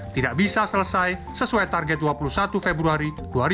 tidak bisa selesai sesuai target dua puluh satu februari dua ribu dua puluh